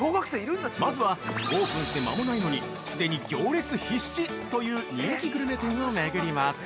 まずはオープンしてまもないのにすでに行列必至という人気グルメ店を巡ります。